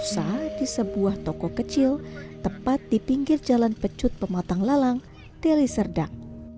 tersa di sebuah toko kecil tepat di pinggir jalan pecut pematang lalang deli serdang